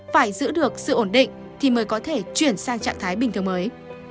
phải giữ được sự ổn định thì mới có thể chuyển sang trạng thái bình thường mới